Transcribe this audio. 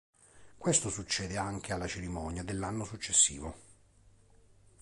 Questo succede anche alla cerimonia dell'anno successivo.